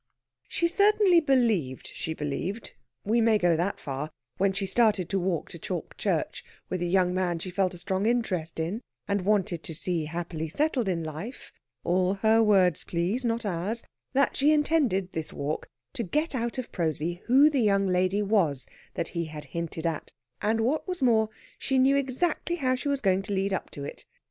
She certainly believed she believed we may go that far when she started to walk to Chalke Church with a young man she felt a strong interest in, and wanted to see happily settled in life (all her words, please, not ours) that she intended, this walk, to get out of Prosy who the young lady was that he had hinted at, and, what was more, she knew exactly how she was going to lead up to it.